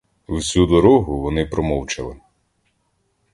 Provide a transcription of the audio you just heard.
Всю дорогу вони промовчали.